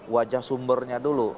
wajah sumbernya dulu